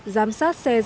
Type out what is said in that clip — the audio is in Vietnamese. giám sát xe giao thông